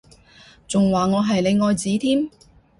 仲話我係你愛子添？